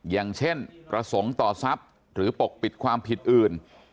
อย่างเช่นประสงค์ต่อทรัพย์หรือปกปิดความผิดอื่น